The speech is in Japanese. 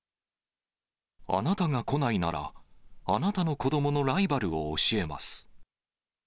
あなたが来ないなら、あなたの子どものライバルを教えます。